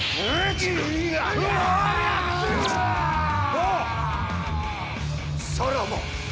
あっさらば。